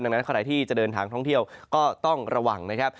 ดังนั้นใครที่จะเดินทางท่องเที่ยวก็ต้องระวังนะครับ